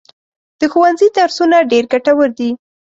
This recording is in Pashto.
د ښوونځي درسونه ډېر ګټور دي.